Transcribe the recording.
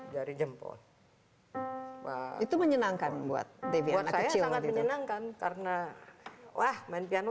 dari jempol itu menyenangkan buat devi anak kecil buat saya sangat menyenangkan karena wah main piano